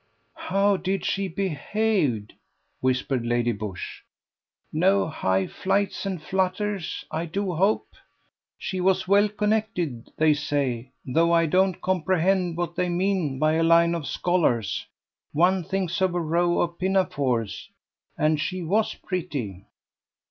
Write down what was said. "How did she behave?" whispered Lady Busshe. "No high flights and flutters, I do hope. She was well connected, they say; though I don't comprehend what they mean by a line of scholars one thinks of a row of pinafores: and she was pretty."